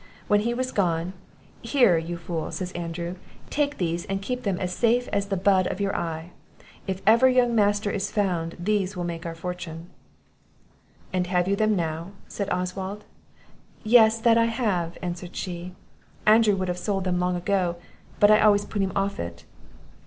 When he was gone, 'Here, you fool,' says Andrew, 'take these, and keep them as safe as the bud of your eye; If ever young master is found, these will make our fortune.'" "And have you them now?" said Oswald. "Yes, that I have," answered she; "Andrew would have sold them long ago, but I always put him off it."